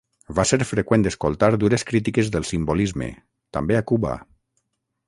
Va ser freqüent escoltar dures crítiques del simbolisme, també a Cuba.